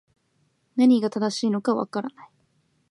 何が正しいのか分からない